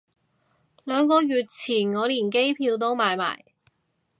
兩個月前我連機票都買埋